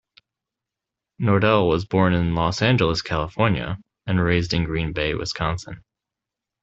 Nordell was born in Los Angeles, California and raised in Green Bay, Wisconsin.